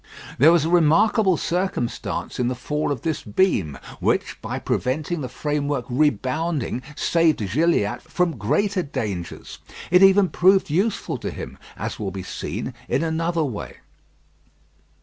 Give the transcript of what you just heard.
There was a remarkable circumstance in the fall of this beam, which by preventing the framework rebounding, saved Gilliatt from greater dangers. It even proved useful to him, as will be seen, in another way.